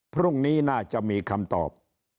พรุ่งนี้น่าจะมีคำตอบ